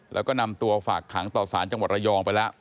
แล้วก็นำตัวฝากขังต่อสารจังหวัดระยองไปแล้ว